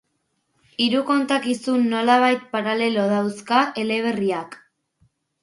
Hiru kontakizun nolabait paralelo dauzka eleberriak.